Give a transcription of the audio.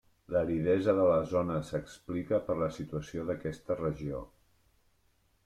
L'aridesa de la zona s'explica per la situació d'aquesta regió.